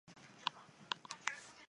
县人民政府驻青阳街道。